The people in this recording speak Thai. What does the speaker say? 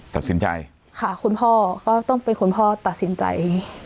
ตัดสินใจค่ะคุณพ่อก็ต้องเป็นคุณพ่อตัดสินใจ